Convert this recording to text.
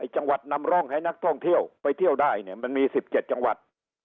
จังหวัดนำร่องให้นักท่องเที่ยวไปเที่ยวได้มันมี๑๗จังหวัด